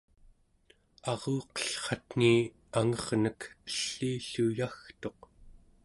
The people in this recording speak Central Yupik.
aruqellratni angernek ellii-llu yagtuq